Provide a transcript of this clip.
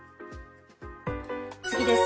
次です。